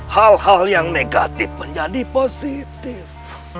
hal hal yang negatif menjadi positif